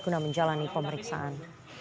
untuk menjalani pemeriksaan